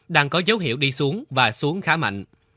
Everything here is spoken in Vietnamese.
đang có dấu hiệu đi xuống và xuống khá mạnh